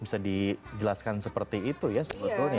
bisa dijelaskan seperti itu ya sebetulnya